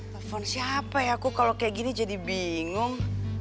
telepon siapa ya aku kalau kayak gini jadi bingung